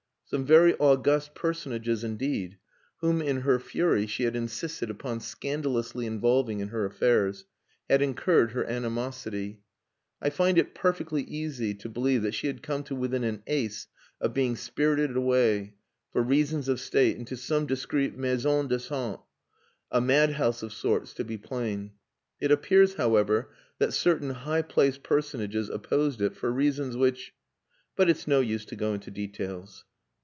Some very august personages indeed (whom in her fury she had insisted upon scandalously involving in her affairs) had incurred her animosity. I find it perfectly easy to believe that she had come to within an ace of being spirited away, for reasons of state, into some discreet maison de sante a madhouse of sorts, to be plain. It appears, however, that certain high placed personages opposed it for reasons which.... But it's no use to go into details.